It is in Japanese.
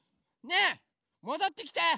ねえもどってきて！